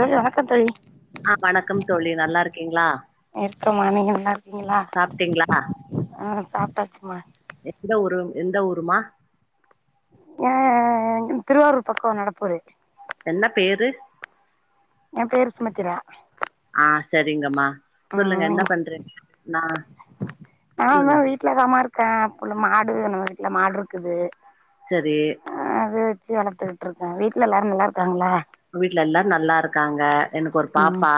வணக்கம் தோழி ஆஹ் வணக்கம் தோழி நல்லா இருக்கீங்களா இருக்கோமா நீங்க நல்லா இருக்கீங்களா ங்களா சாப்ட்டீங்களா ஆஹ் சாப்பிட்டாச்சுமா எந்த ஊரு எந்த ஊருமா ஆஹ் திருவாரூர் பக்கம் நடப்பூரு என்ன பேரு என் பேர் சுமித்திர ஆ சரிங்கம்மா சொல்லுங்க என்ன பண்றே நான் ஆமா வீட்டுல தாமா இருக் கள்ள மாடு நம்ம வீட்டுல மாடு இருக்குது சரி ஆ அது வச்ச வளர்த்துட்டு இருக்கேன் வீட்டுல எல்லாரும் நல்லா இருக்காங்களா வீட்டுல எல்லாரும் நல்லா இருக்காங்க எனக்கு ஒரு ம் பாப்பா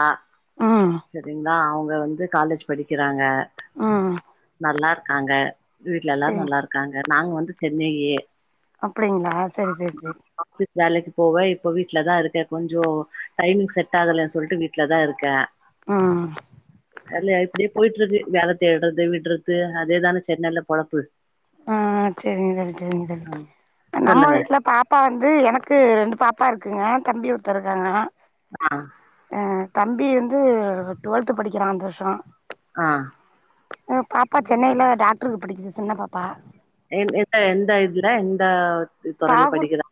ம் சரிங்களா அவங்க வந்து காலேஜ் படிக்கிறாங்க ம் நல்லா இருக்காங்க வீட்டுல சரி எல்லாரும் நல்லா இருக்காங்க நாங்க வந்து சென்னையே அப்படிங்களா சரி சரி சரி போவை இப்பவி வீட்ல தான் இருக்க கொஞ்சம் டைமிங் செட் ஆகலைன்னு சொல்லிட்டு வீட்டு்ல தான் இருக்கேன் ம் [unintelligible] போயிட்டு இருக்கு வேலை தேடுறது விடுறது அதேதானே சென்னையல்ல பொழப்பு ஆஹ் சரிங்க சரிங்க ஆ நம்ம சொல்லுங்க வீட்டுல பாப்பா வந்து எனக்கு ரெண்டு பாப்பா பாப்பா இருக்குங்க தம்பி ஒருத்த இருக்காங்க ஆஹ் அ தம்பி வந்து டுவெல்த் படிக்கிறா இந்த வருஷோ. ஆஹ. பாப்பா சென்னையில டாக்டருக்கு படிக்குது சின்ன பாப். பா. எ எந்த எந்த இதுல எந்த. துறையில தாகுர் படிக்கிறா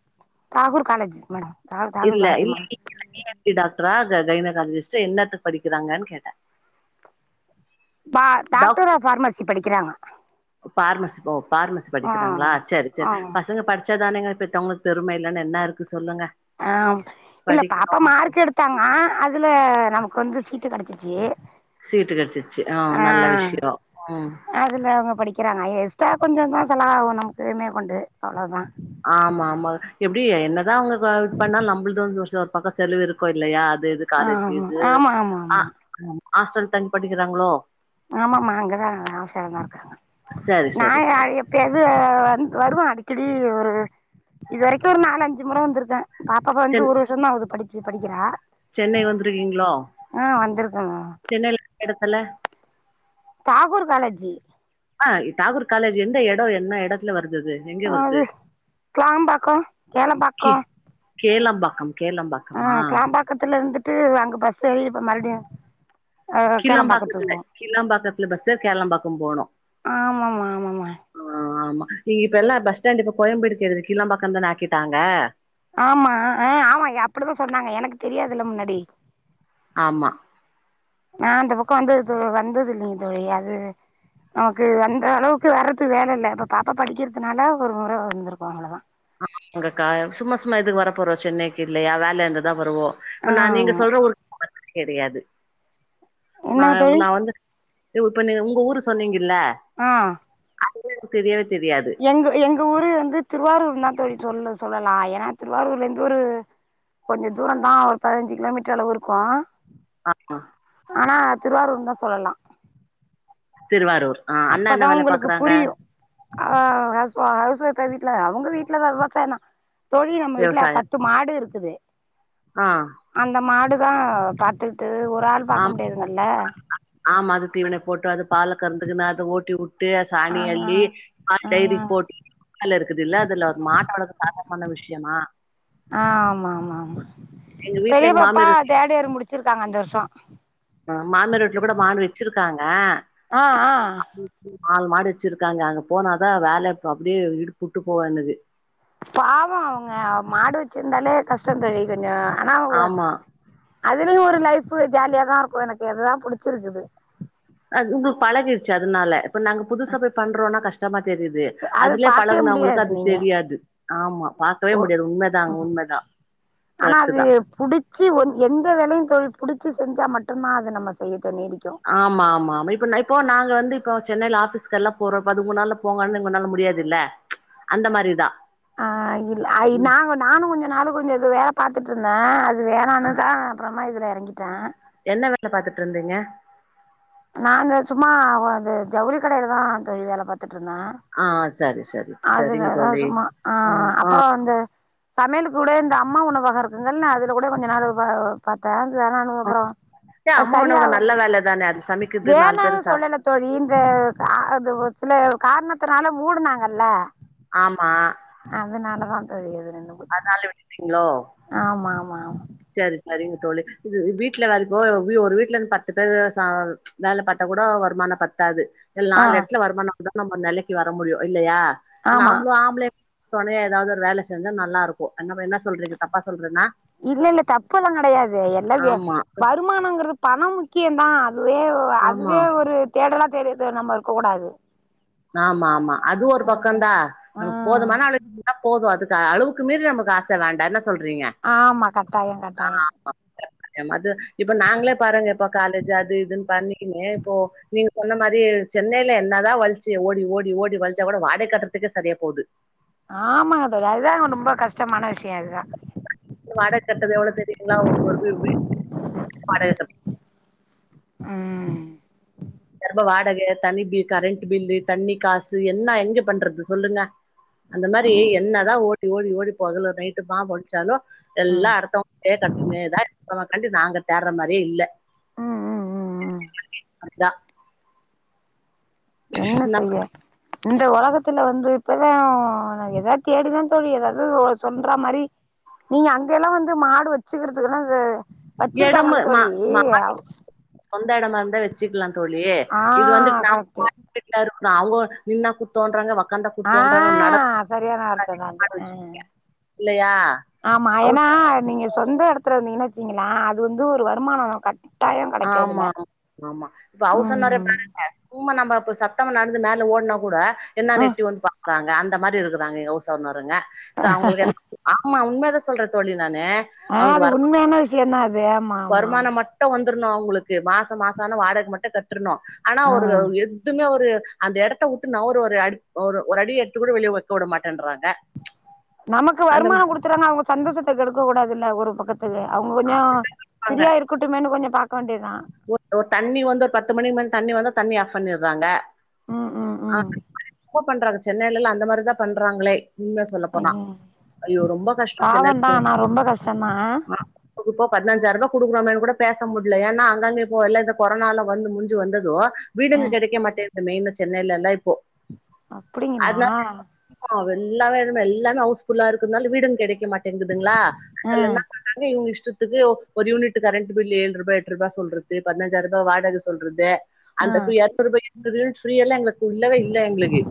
தாகுர். காலேஜ் மேடோ. இல்ல இல்ல இ என் டி டாக்டரா. கைனகாலஜிஸ்ட்டா என்னத்த படிக்கிறாங்கன்னு கேட்ட. பா டக் டாக்டர் ஆஃப் ஃபார்மசி படிக்கிறாங்க பார்மசி பார்மசி ஆ படிக்கிறாங்களா சேரி சேரி ஆ பசங்க படிச்சாதானங்க. பெத்தவங்களுக்கு பெரும இல்லனா என்ன இருக்கு சொல் ஆ இல்ல பாப்பா மார்க் எடுத்தாங்க அதுல நமக்கு வந்து சீட்டு கெடச்சிருக்கு. ஏ. சீட்டு கெடச்சிச்சு ஆ நல்ல விஷயோ உம். அதுல அவங்க படிக்கிறாங்க எக்ஸ்ட்ரா தா கொஞ்சோதா செலவாகு நமக்கு மே கொண்டு அவ்ளோதா. ஆமா ஆமா எப்டி என்னதா அவங்க பண்ணாலும் நம்மளுது வந்து ஒரு பக்கம் செலவு இருக்கு இல்லையா. இது காலேஜ்ஃபீஸ்சு ஆமா ஆமா ஆ. ஆமா ஆமா ஹாஸ்டல் தங்கி படிக்கிறாங்ளோ. ஆமாமா அங்கதா ஹாஸ்டல்லதா இருக்காங்க. சரி சரி நாய சரி எப்பயாவுது வந்து வருவா அடிக்கடி. இப்டி ஒரு இது வரைக்கு ஒரு நாலு அஞ்சு மொற வந்துருக்க. பாப்பாக்கு வந்து சென் ஒரு வருஷோம்தா ஆகுது படி. ஜி படிக்கிறா. சென்னை வந்திருக்கீங்களோ. ஆ வந்திருக்கேங்க சென்னையில எந்த எடத்துல. தாகூர் காலேஜி. ஆ தாகூர் காலேஜ் எந்த எடோ என்ன எடோ. அது கேளம்பாக்கோ கேளபாக்கோ. பாக்கம். ஆ கேளம்பாக்கத்துல இருந்து. விட்டு அங்க பஸ் ஏறி மறுபடியு. கிலாம்பாக்கத்துல கில்லாம்பாக்கத்துல பஸ் ஏறி கேளாம்பாக்கம் போனு ஆமாம்மா ஆமாம்மா ஆ ஆமா. நீ இப்ப எல்லா பஸ்டாண்ட்டுக்கு இப்ப கோயம்பேடு கிடுது கீழாம்பாக்கம் தான ஆக்கிட்டாங்க. ஆமா ஆ ஆமா அப்டிதா சொன்னாங்க எனக்கு தெரியாதுல்ல முன்னாடி. ஆம்மா. இப்ப வந்து இது வந்தது இல்லிங்க தோழி அது. நமக்கு வந்த அளவுக்கு வர்றது வேல இல்ல இப்ப பாப்பா படிக்கிறதுனால ஒரு மொற வந்திருக்கோ அவ்ளோதா. ஆ அங்கக்கா சும்மா சும்மா எதுக்கு வர போறோ சென்னைக்கு இல்லையா வேல இருந்தாதா வருவோ. இப்ப நான் நீங்க ஆமா சொல்ற ஒரு. கெடயாது என்னங்க நான் தோழி நான் வந்து இப்ப உங்க ஊரு சொன்னிங்கல ஆ தெரியாது எங்க எங்க ஊரு வந்து திருவாரூர் தோழி சொல்ல சொல்லலாம் ஏன்னா திருவாரூர்ல இருந்து ஒரு கொஞ்சோம் தூரம் தான் ஒரு பதினஞ்சு கிலோமீட்டர் அளவு இருக்கும் ஆம்மா ஆனா திருவாரூர் தான் சொல்லலாம் திருவாரூர் ஆ அண்ணா என்ன அப்பதான் வேல உங்களுக்கு பாக்குறாங்க புரியும் ஆ ஹ ஹ வீட்ல அவங்க வீட்டுல தவசனா தோழி நம்ம வீட்டுல விவசாயோ பத்து மாடு இருக்குது ஆ அந்த மாடு தான் பாாத்துட்டு ஒரு ஒரு ஆள் பாக்க முடியாதுங்கல்ல தீவனை போட்டு அது பால கறந்துக்குனு அதை ஓட்டி விட்டு ட்டு சாணி ஆ அள்ளி ஆ டைரி போட்டுல இருக்குது இல்ல அதுல மாட்ட வளக்குறது சாதகமான விஷயமா ஆமா ஆமா ஆமா எங்க வீட்டுல பெரிய எங்க பாப்பா மாமியார் வச்சு தேர்ட் இயர் முடிச்சிருக்காங்க இந்த வருஷோ மாமியார் வீட்டில கூட மாடு வச்சிருக்காங்க ஆ ஆ நாலு மாடு வச்சிருக்காங்க அங்க போனாதான் வேலை அப்படியே இடு புட்டு போவே எனுக்கு பாவம் அவங்க மாடு வச்சிருந்தாலே கஷ்டம் தோழி கொஞ்சம் ஆனா உவ ஆமா அதுலயும் ஒரு லைஃப் ஜாலியாதான் இருக்கும் எனக்கு எதுதான் புடிச்சிருக்குது அது உங்களுக்கு பழகடுச்சு அதனால நாங்க புதுசை பண்றோம்னா கஷ்டம் அது பார்கவே முடியாது அது நீங்க தெரியாது ஆமா பாக்கவே முடியாது உண்மதாங்க உண்மதா ஆனா கரெக்ட் அது தா புடிச்சு எந்த வேலையும் தொழில் புடிச்சு செஞ்சா மட்டும்தான் அது நம்ம செய்ய ஆமா ஆமா ஆமா இப்ப இப்போ நாங்க வந்து இப்ப சென்னையில ஆபிஸ்கல்லாம் போறோ பதிமூணு நாள்ல போங்குன்னால உன்னால முடியாதுல்ல அந்த மாதிரிதான் ஆஹ் இல்ல நா நானும் கொஞ்சம நானும் கொஞ்சம் இங்க வேலை பாத்துட்டு இருந்தேன்து து வேணனுதான் அப்புறமா இதுல இறங்கிட்டான் என்ன வேலை பாத்துட்டு இருந்தீங்க நான் அந்த சும்மா அ ஜவுளி கடையிலதான் தோழி வேலை பாத்து ந்தா ஆ சரி சரி சரிங்க அதுலதான் தோழி சும்மா ஆ ஆஹ் ஆ அப்றம் வந்து சமையலுக்கு கூட இந்த அம்மா உணவகம் இருக்குங்கல நான் அதுல கூட கொஞ்ச நாள் பாத்தன் வேணானுக்குப்புறம் ஏ அது அம்மா சரியா உணவகம் வரல நல்ல வேல தானே அது சமைக்குது நாலு வேணாணு பேரு சாப் சொல்லல தோழி இந்த அது சில காரணத்தினால மூடுனாங் கல்ல ஆமா அதுனாலதான் ஐயோ அதனால விட்டுடீங்ளோ ஆமா ஆமா ஆமா சரி சரிங்க தோழி இது வீட்டுல வேலை போ ஒரு வீட்டு்ல இருந்து பத்து பேரு வேலை பாத்தா கூட வருமானம் பத்தாது இ ஆ நாலு இடத்துல வருமானம் நம்ம நிலைக்கு வர முடியும் இல்லயா ஆமா நாமளும் ஆம்பள துணையா ஏதாவது ஒரு வேலை செஞ்சா நல்லாருக்கும் என்னப்பா என்ன சொல்றீங்க தப்பா சொல்றேனா தப்புல்லாம் கெடையாது எல்ல வருமானங்றது பணம் முக்கியம் தான் அதுவே ஆமா அதுவே ஒரு தேடலா தெரிது நம்ம இருக்க கூடாது ஆமா ஆமா அது ஒரு பக்கம்தான் ஆ நமக்கு போதுமான அளவு போதும் அதுக்கு அளவுக்கு மீறி நமக்கு ஆசை வேண்டாம் என்ன சொல்ற ஆமா கட்டாயம் கட்டாயம் மது இப்ப நாங்களே பாருங்க இப்ப காலேஜ் அது இதுன்னு பண்ணிகினு இப்போ நீங்க சொன்ன மாரி சென்னையில என்னாதான் வள ஓடி ஓடி ஓடி விச்சா கூட வாடக கட்டுறதுக்கே சரியா போகுது ஆமா தோழி அதுதான்ங்க ரொம்ப கஷ்டமான விஷயம் வாடகை கட்டறது எவ்வளவு தெரியுங்களா வாடை கட்டற உம் திரம்ப வாடகை தனி பில் கரண்ட் பில்லு தண்ணி காசு என்ன எங்க பண்றது சொல்லுங்க அந்த மாரி ம் என்னதான் ஓடி ஓடி ஓடி பகலு நைட்டு மா ஒழச்சாலும் எல்லா ம் அர்த்தமே கட்டினேதான் க நாங்க தேடுற மாரியே இல்ல ம் ம் ம் ம் இதான் என்ன செய்ய இந்த உலகத்துல வந்து இப்பதான் நா எதாவது தேடிதான் தோழி ஏதாவது சொல்ற மாரி நீங்க அங்க எல்லாம் வந்து மாடு வச்சுக்கிறதுக்குல்லாம் இ இடம் மா மா சொந்த இடமா இருந் வச்சுக்கலாம் தோழியே ஆ இது வந்துட்டு நான் பா கரெக்ட்டு இருக்கனு அவுங்க நின்னா குத்தோன்றாங்க ஒக்காந்தா குத்தோன்றாங்க நடந்தா ஆஹ் சரியான அர்த்தை தான் அது ஆஹ் இல்லையா ஆமா ஹவுஸ் ஏன்னா நீங்க சொந்த இடத்துல வந்தீங்கன்னா ங்களா அது வந்து ஒரு வருமானம் காட்டே ஆமா ஆமா ஆமா இப்ப அவவுசன்னரே ம் பாரு சும்மா நம்ம இப்ப ச த்தவ நடந்து மேல ஓடினா கூட என்னா ஆ நெட்டி வந்து இருக்காங்க அந்த மாதிரி இருக்குறாங்க ஊசோன்னருங்க ச அவங்களுக்கு என்ன ஆமா உண் த சொல்ற தொழில் ஆஹ் அது உண்மையான விஷயம் தான் அது வேமா ஆமா ஆமா துரனும் அவங்களுக்கு மாசம் மாசமான வாடக மட்டும் கற்று ரனோ ஆன ஆ ஒரு எதுவுமே ஒரு அந்த இடத்த விட்டு நாவுற ஒரு அடி ஒரு அடி எடுத்து கூட வெளியே வைக்க விட மாட்டேன்றறாங்க நமக்கு வருமானம் குடுத்துறாங்க அவங்க சந்தோஷத்த கேடுக்க கூடாதுில்ல ஒரு பக்கத் துல அவங்க கொஞ்சம் ங்க பிரீயா இருக்கட்டட்டுமேன்னு கொஞ்சம் பா கொண்ட தான் ஒரு தண்ணி வந்து ஒரு பத்து மணிக்கு மேல தண்ணி வந்து தண்ணி ஆஃப் பண்ணிடுறாங்க ம் ம் ம் ஆஹ் [unintelligible] பண்றாங்க சென்னையில அந்த மாரிதான் பண்றாங்களே உண்ம சொல்லப்போனா ஐயோ ஐயோ ரொம்ப கஷ்டம் பாவந்தா ஆனா ரொம்ப கஷ்டந்தா சென்னைலா கொடுப்போ பதினஞ்சாயிர ரூபாடுக்கறமே கூட பேச முடியல ஏன்னா [unintelligible] இப்பபோ எல்ல இந்த கொரனால வந்து முஞ்சு வந்ததும் ஆ வீடுங்க கிடைக்க மாட்டேது இந்த மெயின் சென்னைலாம் இப்போ அப்படிங்களா எல்லா எல்லாமே ஹவுஸ்ஃுல்லா இருக்கதனால வீடும் கடைக்க மாட்டேங்குதுங்களா ஆ அதுல என்ன பண்றாங்க இஷ் டத்துக்கு ஒரு யூனிட் கரண்ட் பில் ஏழு ரூபா் எட்டு ரூபா சொல்றது பதினஞ்சாயிரம் ரூபா வாடக சொல்றது ஆ அந்த ூயிர ரூபாய நூறு யூனிட் ஃப்ீயல்லங்களுக்கு இல்லவே இல்ல எங்களுக்கு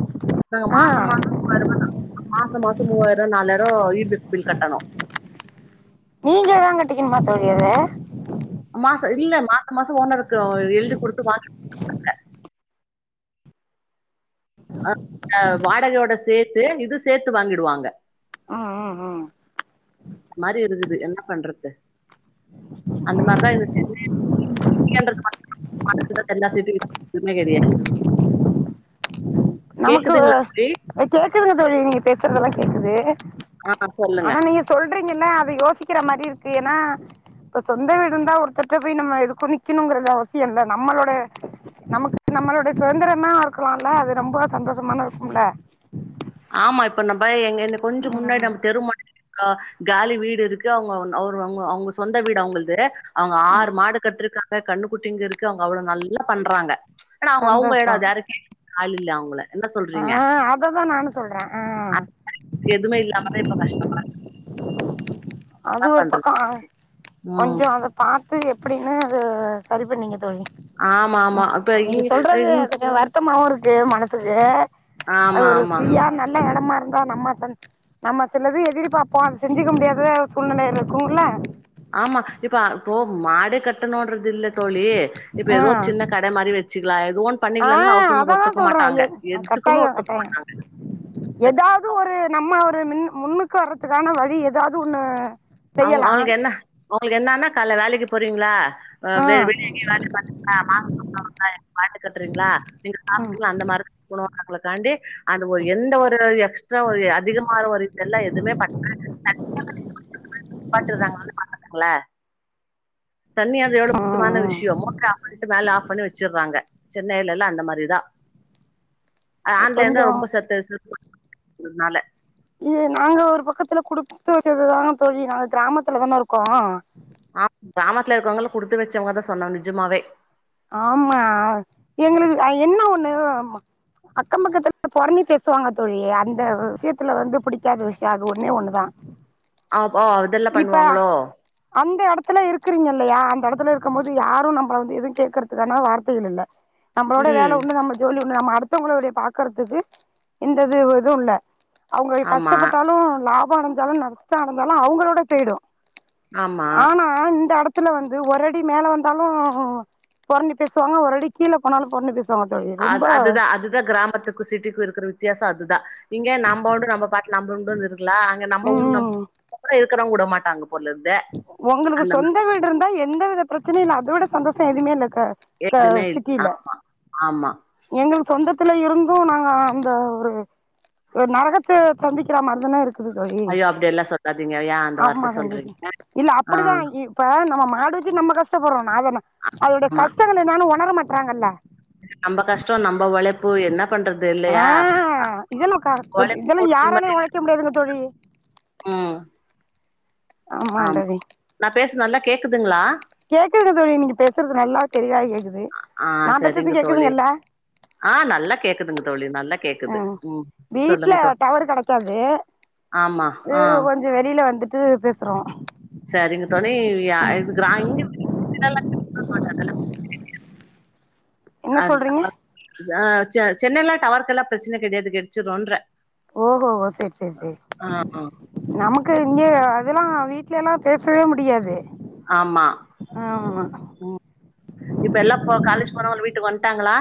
நாங்க ஆ மாசம் மாசம் மூவாயிர ரூபாய் தரனும் மாசம் மாசம் மூவாயிரம்ூ நாலாயிர இ பி பில் கட்டணும் நீங்க ஏதாங்கட்டக்குன்னுமா தோழி அது மாசம் இல்ல மாசம் மாசம் ஓனருக்கு எழுதி கொடுத்து வாங்கிடுவாங்க அஹ் வாடகையோட சேர்த்து இது சேர்த்து வாங்கிடுவாங்க ம் ம் ம் அந்த மாரி இருக்குது என்ன பண்றது அந்த மாரிதான் இருந்துச்சு [unintelligible] செதுமே கிடையாது நமக்கு கேக்குதுங்க தோழி நீங்க பேசுறதெலாம் கேக்குது ஆ சொல்லுங்க ஆனா நீங்க சொல்றீங்கல்ல அதை யோசிக்கிற மாரி இருக்கு ஏன்னா இப்ப சொந்த வீடுந்தான் ஒருத்தர்ட போய் நம்ம எதுக்கும் நிக்கணுங்க அவசியம் இல்ல நம்மளோட நமக்கு நம்மளுடைய சுதந்திரம் தான் இருக்கலாம்ல அது ரொம்ப சந்தோஷமான இருக்கும்ல ஆமா இப்ப நம்ம எங்க கொஞ்சம் முன்னாடி ம் நம்ம தெருமோனைல காலி வீடு இருக்கு அவங்க அவங்க அவங்க சொந்த வீடு அவங்களது அவுங்க ம் ஆறு மாடு கட்டிருக்கா கண்ணு குட்டிங்க ருக்கு அவங்க அவ்வளவு நல்லா பண்றாங்க ஆனா அவுங்க அவுங்க எடம் சந்தோஷம் அது யாரும்க்கே ஆள் இல்ல அவுங்கள என்ன சொல்றீங்க தான் நானும் சொல்றேன் ஆஹ் [inaudible] அதுக்கு எதுவுமே இல்லாமதா இப்ப கஷ்டமா அது என்ன ஒரு பண்றது பக்கம் ம் கொஞ்சம் அதப்பாத்து எப்படின்னு அது சரி பண்ணீங்க ஆமா ஆமா இப்ப நீங்க இங்க சொல்றது இ கொஞ்சம் வருத்தமாவும் இருக் [unintelligible] ஏ அது ஆமா ஒரு ஆமா ஃப்ரீயா நல்ல இடமா இரு ன் நம் நம்ம சிலது எதிர்பார்ப்போம் அது செஞ்சுிக்க முடியாத சூழ்நிலைில இருக்குங்கள ஆமா இப்ப இப்போ மாடு கட்ட னோடறது இல்லை தோழி இப்ப ஆ ஏதோ ஒரு சின்ன கடை மாரி வச்சுிக்கலாம் எது ஒன்னு ஆ பண்ணிக்கலான அவுஸோனர் அததா ஒத்துக்க சொல்றே மாட்டாங்க எ எதுக்குமே கட்டாயோ ஒத்துக்க கட்டாயோ மாட்டாங்க எதாவது ஒரு நம்ம மின் முன்னுக்கு வர்றத்துக்கான வழி ஏதாவது ஒன்னு அவுங்க அவுங்கென்னானா அவுங்களுக்கு என்னன்னா காலை வேலைக்கு போறீங்களா ஆ வெளிய எங்களா மாச ம் [unintelligible] [unintelligible] அது ஒரு எந்த ஒரு எக்ஸ்ட்ரா ஒரு அதிகமா ஒரு இதெல்லாம் எதுவுமே பன பட்டு இருக்காங்கள பாட்டாங்களா [unintelligible] தண்ணி எவ்வளவு ஆ ஆ முக்கியமானவிஷயம். மோட்டர் ஆஃப் பண்ணிட்டு மேலே ஆஃப் பண்ணி வச்சிறாங்க. சென்னையிலல்லாம் அந்த மாரிதான் ஆன்லைன் கொஞ்சோ தான் ரொம்ப சத்து ச என்னால இது நாங்க ஒரு பக்கத்துல கொடுத்து வச்சதுதாங்க தோழி நாங்க கிராமத்துலதானே இருக்கோம் ஆஹ் கிராமத்துல இருக்கவங்கள குடுத்து வச்சவங்கதான் சொன்னாம் நிஜமாவே ஆமா எங்களுக்கு என்ன ஒண்ணு அக்கம் பக்கத்துல பொறனி பேசுவாங்க தோழி அந்த விஷயத்துல வந்து புிடிக்காத விஷயம் அது ஒன்னே ஒண்ணுதான் ஆஹப்ப இதெல்லாம் பண்ணுவாங்களோ இடத்துல இருக்கிறீங்க இல்லையா அந்த இடத்து இருக்கும் போது யாரும் நம்ம வந்து எது கே இருக்கிறதுக்கான வார்த்தைகள் இல்ல நம்மளோட ம் வேலை உண்டு நம்ம ஜோலி உண்டு நம்ம மத்தவங்களுடைய பாக்கறதுக்கு இந்தது இது இல்ல அவங்க ஆமா கஷ்டப்பட்டாலும் ல கஷ்டம் இருந்தாலும் நஷ்டம் இருந்தாலும் அவங்களோட போயிடும் ஆமா ஆனா இந்த இடத்து ஒரு இடத்துல வந்து ஒ அடி மேல வந்தாலும் பொறண்ணி பேசுவாங்க ஒருரடி கீழே போனாலும் பொறண்ணி பேசுவாங்க தோழி ஆ ரொம்ப அதுதான் அதுதான் கிராமத்துக்கும் சிட்டிக்கும் இருக்கிற வித்தியாசம் சாத்ததா இங்க நம்புண்டு நம்ம பாட்டுண்டு நம்பபாட்டு இருக்கலாம் ம் நம்பவும் கூட ம் இருக்கு இருக்கிறவங்க கூட மாட்டாங்க போல இருந்து உங்களுக்கு அந்த மாரி சொந்த வீடு இருந்தா எந்த வித பிரச்சனையும் இல்ல அதோட சந்தோஷம் எதுவுமே இல்ல சிக்கல எதுமே இல்ல சிட்டில ஆ ஆமா எங்களுக்கு சொந்தத்தை பக்கத்துல இருந்தும் நாங்க அந்த ஒரு நரகத்தை சந்திக்கிற மாதிரிதானே இருக்கு ஐயோ அப்படியெல்லாம் சொல்லாதீங்க யா அந்த ஆமா வார்த்தை சந்திச்சி சொல்றீங்க இல்ல ஆ அப்படிதான் இப்ப நம்ம மாடு வச்சு நம்ம கஷ்டப்படுறோம் அதா அதோடைய ஆமா கஷ்டங்களை நானும் உணர மாட்டேன் பறாங்கல்ல நம்ம கஷ்டம் நம்ம உழைப்பு என்ன பண்றது ஆ இல்லையா இதெல்லா க உழைப்பு இதெல்லா போட்ட நிம்மதி யாராலயு ஒழைக்க முடியாதுங்க இல்ல தோழி உம் ஆமா தோழி பேசுறது நல்லா கேக்குதுங்களா கேக்குதுங்க தோழி நீங்க பேசுறது நல்லா தெளிவா கேக்குது ஆஹ் நா சரிங்க பேசுறது தோழி கேக்குதுங்கல்ல ஆஹ் நல்லா கேக்குதுங்க தோழி நல்லா ஆ கேக்குது உம் வீட்ல சொல்லுங்க தோழி டவர் கெடைக்காது ஆமா இது ஆஹ் கொஞ்சோ வெளில வந்துட்டு பேசுறோ சரிங்க தோழி இங்க [unintelligible] என்ன ஹான் சொல்றீங்க ஆஹ் செ சென்னல்ல டவர்கெல்லாம் பிரச்சன கிடையாது கடைச்சுருன்ற ஓஹோ ஓ சரி சரி சரி ஆ நமக் கு இங்கே அதெல்லாம் வீட்ல எல்லாம் பேசவே முடியாது ஆமா ஆமா உம் இப்ப எல்லாம் போ காலேஜ் போன டனே வீட்டுக்கு வன் விட்டாங்களா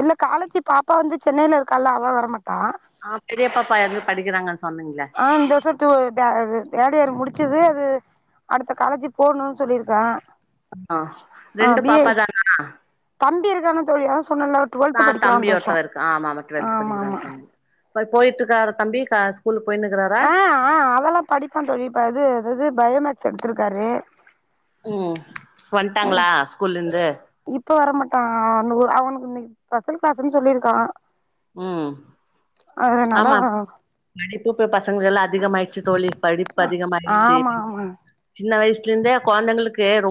இல்ல காலஜ் பாப்பா வந்து சென்னையில இருக்கால அவ வரமாட்டா ஆஹ் பெரியப்பாப்பா யாரன படிக்கிறாங்க ஆஹ் இந்த வருஷம் ட்டு டர் ரு தேடியிர் முடிச்சது அது அடுத்த காலேஜி போணும்னு சொல்லியிருக்கா ஆஹ ரெண்டு பாப்பாதானா தோழியா ஆஹ் தம்பி ஒருத்தவ இருக்க ஆமா ஆமா டுவெல்த் படிக்கிறான்னு சொன்ன போயிட்டு இருக்கார தம்பி தா ஸ்கூல் ஆஹ் ஆஹ் அதெல்லாம் படிப்பான் தோலி அது து து பயோ மேக்ஸ் எடுத்திருக்காரு உம் நல்ல இப்ப வரமாட்டான் ஹா அங்க ஒரு அவனுக்கு இனிக்கி ஸ்பெஷல் கிளாஸ்னு சொல்லியிருக்கான் உம் ஆமா படிப்பூப்போ பசங்களுக்கு எல்லாம் அதிகமாயி தொழில் படிப்பு அதிகமயிடுச்சு ஆமா ஆமா சின்ன வயசுல இருந்ததே குழந்தங்களுக்கு ரொம்